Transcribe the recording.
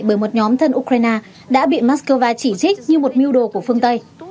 bởi một nhóm thân ukraine đã bị moscow chỉ trích như một miêu đồ của phương tây